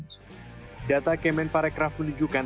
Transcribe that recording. data kementerian pariwisata dan ekonomi kreatif menunjukkan